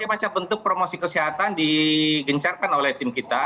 berbagai macam bentuk promosi kesehatan digencarkan oleh tim kita